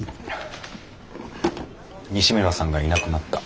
西村さんがいなくなった。